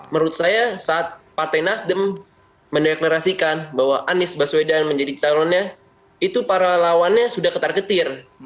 menurut saya saat partai nasdem mendeklarasikan bahwa anies baswedan menjadi calonnya itu para lawannya sudah ketar ketir